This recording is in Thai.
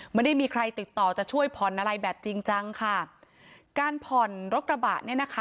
ไม่ได้มีใครติดต่อจะช่วยผ่อนอะไรแบบจริงจังค่ะการผ่อนรถกระบะเนี่ยนะคะ